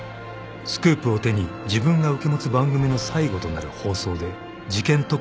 ［スクープを手に自分が受け持つ番組の最後となる放送で事件特集を組もうとしたが］